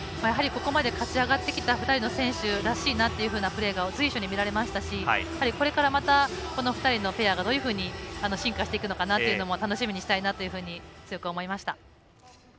ここまで勝ち上がってきた２人の選手らしいなというプレーが随所に見られましたしこれから、またこの２人のペアがどういうふうに進化していくのかなというのも楽しみにしたいなというふうに強く思いました。